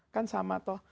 kan sama toh